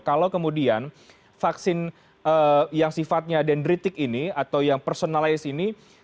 kalau kemudian vaksin yang sifatnya dendritik ini atau yang personalized ini